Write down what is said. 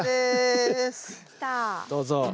どうぞ。